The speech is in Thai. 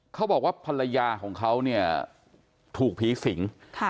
เขาบอกว่าภรรยาของเขาเนี่ยถูกผีสิง